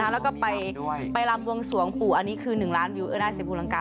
แล้วก็ไปลำบวงสวงปู่อันนี้คือ๑ล้านวิวเออน่าเสียบุรังกา